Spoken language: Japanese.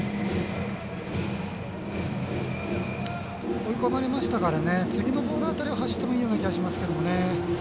追い込まれましたから次のボール辺りは走ってもいいような気がします。